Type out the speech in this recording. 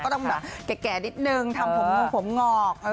ต้องแบบแก่นิดนึงทำผมงงผมงอก